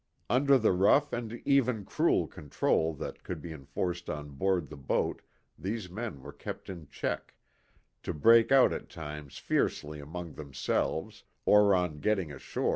Under the rough and even cruel control that could be enforced on board the boat these men were kept in check to break out at times fiercely among themselves, or on getting ashore.